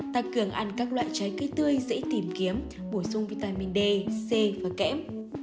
bốn tăng cường ăn các loại trái cây tươi dễ tìm kiếm bổ sung vitamin d c và kém